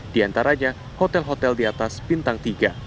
di antaranya hotel hotel di atas bintang tiga